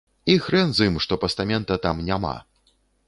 І хрэн з ім, што пастамента там няма.